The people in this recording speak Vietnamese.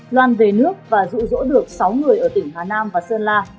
loan về nước và rụ rỗ được sáu người ở tỉnh hà nam và sơn la